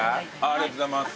ありがとうございます。